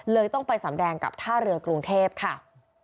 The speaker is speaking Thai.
ต้องไปสำแดงกับท่าเรือกรุงเทพค่ะ